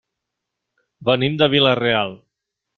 Venim de Vila-real.